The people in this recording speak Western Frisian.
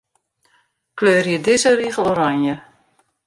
Kleurje dizze rigel oranje.